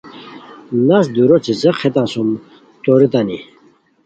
نست دُورو څیڅیق ہیتان سُم تورتانی